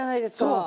そう。